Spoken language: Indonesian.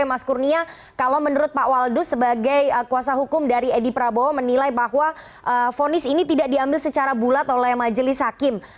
mas kurnia kalau menurut pak waldus sebagai kuasa hukum dari edi prabowo menilai bahwa fonis ini tidak diambil secara bulat oleh majelis hakim